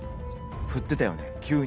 ふってたよね急に。